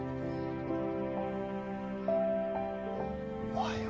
おはよう。